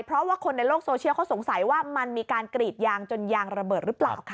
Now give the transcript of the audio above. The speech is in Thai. เพราะว่าคนในโลกโซเชียลเขาสงสัยว่ามันมีการกรีดยางจนยางระเบิดหรือเปล่าค่ะ